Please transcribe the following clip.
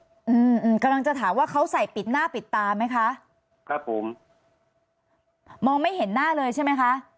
อืมกำลังจะถามว่าเขาใส่ปิดหน้าปิดตาไหมคะครับผมมองไม่เห็นหน้าเลยใช่ไหมคะ